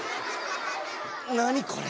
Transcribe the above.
何これ。